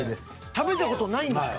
食べた事ないんですか？